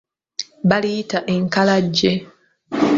Baliyita enkalajje.